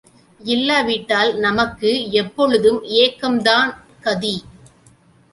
இல்லாவிட்டால் நமக்கு எப்பொழுதும் ஏக்கந்தான் கதி.